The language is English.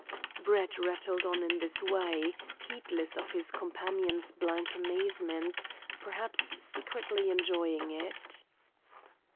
Brett rattled on in this way, heedless of his companion's blank amazement, perhaps secretly enjoying it.